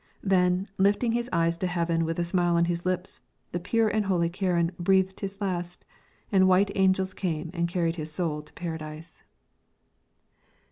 Then, lifting his eyes to heaven with a smile on his lips, the pure and holy Ciaran breathed his last, and white angels came and carried his soul to Paradise.